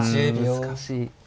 難しい。